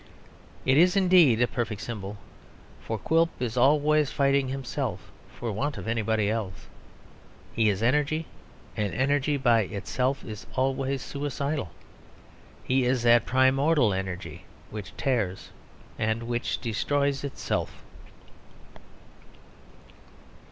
It is indeed a perfect symbol; for Quilp is always fighting himself for want of anybody else. He is energy, and energy by itself is always suicidal; he is that primordial energy which tears and which destroys itself.